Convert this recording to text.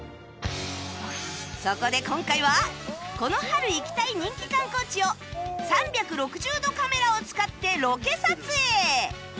そこで今回はこの春行きたい人気観光地を３６０度カメラを使ってロケ撮影